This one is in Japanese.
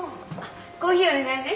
コーヒーお願いね。